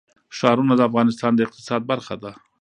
ښارونه د افغانستان د اقتصاد برخه ده.